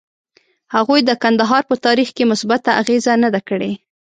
هغوی د کندهار په تاریخ کې مثبته اغیزه نه ده کړې.